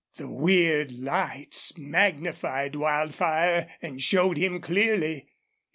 The weird lights magnified Wildfire and showed him clearly.